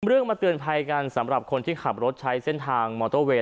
เรื่องมาเตือนภัยกันสำหรับคนที่ขับรถใช้เส้นทางมอเตอร์เวย